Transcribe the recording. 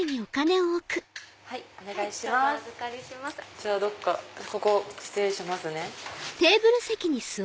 じゃあここ失礼しますね。